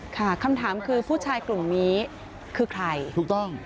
คำถามคือผู้ชายกลุ่มนี้คือใครถูกต้อง